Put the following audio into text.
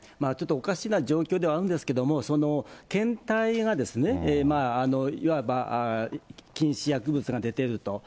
ちょっとおかしな状況ではあるんですけれども、その検体がですね、いわば禁止薬物が出ていると。